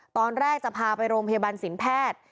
ตอนแรกจะพาไปโรงพยาบาลสินแพทย์